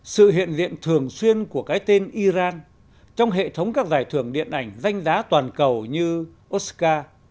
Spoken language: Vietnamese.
sự hiện liện thường xuyên của cái tên iran trong hệ thống các dài thường điện ảnh danh giá toàn cầu như oscar